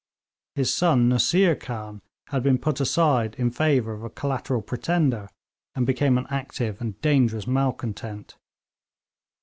His son Nusseer Khan had been put aside in favour of a collateral pretender, and became an active and dangerous malcontent.